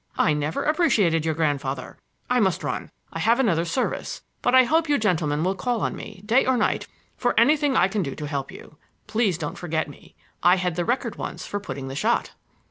I never appreciated your grandfather! I must run—I have another service. But I hope you gentlemen will call on me, day or night, for anything I can do to help you. Please don't forget me. I had the record once for putting the shot."